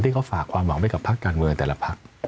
ที่เขาฝากความหวังไว้กับพรรคการเงินในแต่ละพรรค